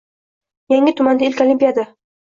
Yangi tumanda ilk olimpiada